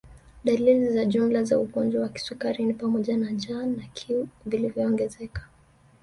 Dalili za jumla za ugonjwa wa kisukari ni pamoja na jaa na kiu viliyoongezeka